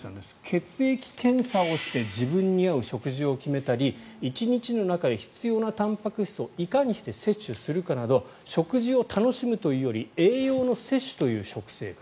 血液検査をして自分に合う食事を決めたり１日の中で必要なたんぱく質をいかにして摂取するかなど食事を楽しむというより栄養の摂取という食生活。